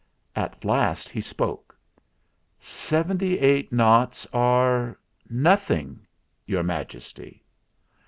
At last he spoke: "Seventy eight noughts are nothing, Your Majesty."